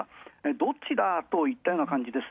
どっちだといったような感じです。